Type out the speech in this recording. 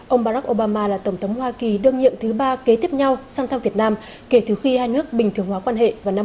ông barack obama là tổng thống hoa kỳ đơn nhiệm thứ ba kế tiếp nhau sang thăm việt nam kể từ khi hai nước bình thường hóa quan hệ vào năm một nghìn chín trăm chín mươi năm